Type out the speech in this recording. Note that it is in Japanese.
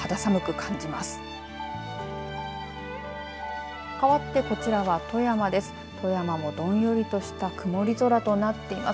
かわってこちらは富山です。